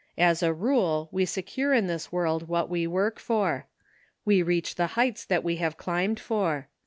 As a rule we secure in this world what we work for. We reach the heights that we have climbed for.